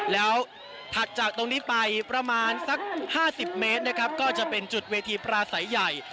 แล้วถัดจากตรงนี้ไปประมาณสัก๕๐เมตรนะครับก็จะเป็นจุดเวทีปราศัยใหญ่